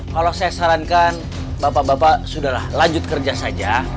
kalau saya sarankan bapak bapak sudahlah lanjut kerja saja